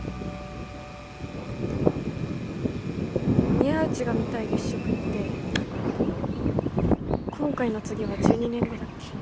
宮内が見たい月食って今回の次は１２年後だっけ？